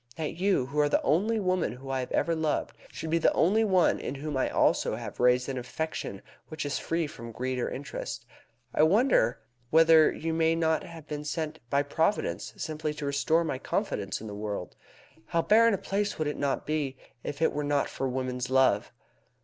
That you, who are the only woman whom I have ever loved, should be the only one in whom I also have raised an affection which is free from greed or interest. I wonder whether you may not have been sent by Providence simply to restore my confidence in the world. How barren a place would it not be if it were not for woman's love!